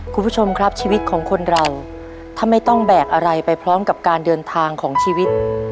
คุณผู้ชมครับชีวิตของคนเราถ้าไม่ต้องแบกอะไรไปพร้อมกับการเดินทางของชีวิต